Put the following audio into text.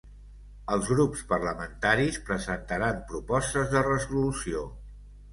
Els grups parlamentaris presentaran propostes de resolució.